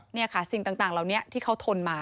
นี่ค่ะสิ่งต่างเหล่านี้ที่เขาทนมา